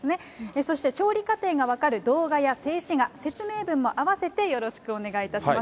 そして調理過程が分かる動画や静止画、説明文も合わせて、よろしくお願いいたします。